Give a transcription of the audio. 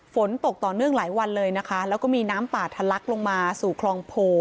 ฝนตกต่อเนื่องหลายวันเลยนะคะแล้วก็มีน้ำป่าทะลักลงมาสู่คลองโพ